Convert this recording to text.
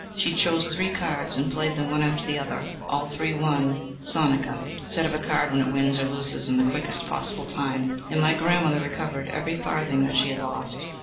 She chose three cards and played them one after the other: all three won sonika, [Said of a card when it wins or loses in the quickest possible time.] and my grandmother recovered every farthing that she had lost."